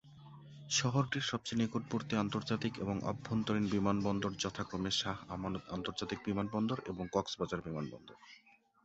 শহরটির সবচেয়ে নিকটবর্তী আন্তর্জাতিক এবং আভ্যন্তরীণ বিমানবন্দর যথাক্রমে শাহ আমানত আন্তর্জাতিক বিমানবন্দর এবং কক্সবাজার বিমানবন্দর।